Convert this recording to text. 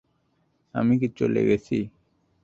আমি কী চলে গেছি?